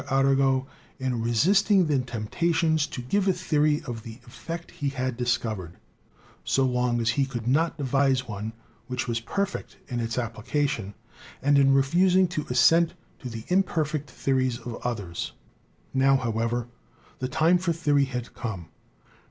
Arago in resisting the temptations to give a theory of the effect he had discov ered, so long as he could not devise one which was perfect in its application, and in refusing to assent to the imper fect theories of others." Now, however, the time for the ory had come.